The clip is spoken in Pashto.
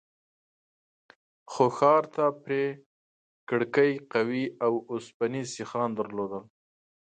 خو ښار ته پرې کړکۍ قوي اوسپنيز سيخان درلودل.